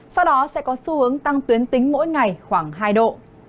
sau đó sẽ có xu hướng tăng tuyến tính mỗi ngày khoảng hai độ